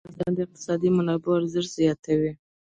مس د افغانستان د اقتصادي منابعو ارزښت زیاتوي.